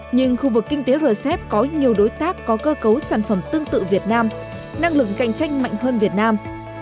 nhưng khu vực kinh tế rcep có nhiều đối tác có cơ cấu sản phẩm tương tự việt nam năng lượng cạnh tranh mạnh hơn việt nam